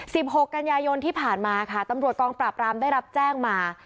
หกกันยายนที่ผ่านมาค่ะตำรวจกองปราบรามได้รับแจ้งมา